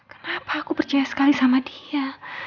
kenapa aku percaya sekali sama dia